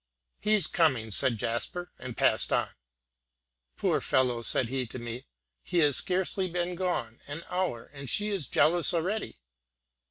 "He's coming," said Jasper, and passed on. "Poor fellow," said he to me, "he has scarcely been gone an hour, and she is jealous already.